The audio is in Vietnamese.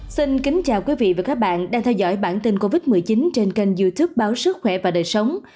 xin kính chào quý vị và các bạn đang theo dõi bản tin covid một mươi chín trên kênh youtube báo sức khỏe và đời sống